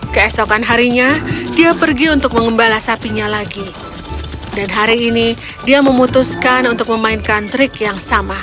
keesokan harinya dia pergi untuk mengembala sapinya lagi dan hari ini dia memutuskan untuk memainkan trik yang sama